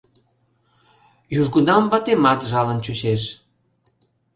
Южгунам ватемат жалын чучеш...